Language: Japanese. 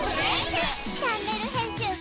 「チャンネル編集部」！